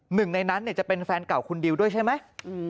หนึ่งในนั้นจะเป็นแฟนเก่าคุณดิวด้วยใช่ไหม